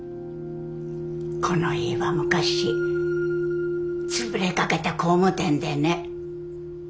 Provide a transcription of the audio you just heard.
この家は昔潰れかけた工務店でね。